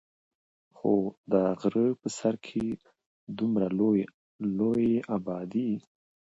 خو د غرۀ پۀ سر کښې د دومره لوے ابادي